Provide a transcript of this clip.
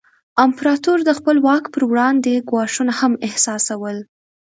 امپراتور د خپل واک پر وړاندې ګواښونه هم احساسول.